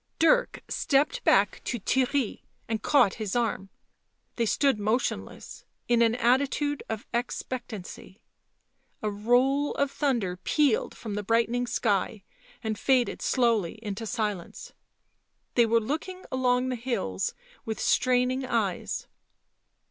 Dirk stepped back to Theirry and caught his arm; they stood motionless, in an attitude of expectancy. A roll of thunder pealed from the brightening sky and faded slowly into silence; they were looking along the hills with straining eyes.